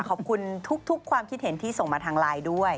ขอบคุณทุกความคิดเห็นที่ส่งมาทางไลน์ด้วย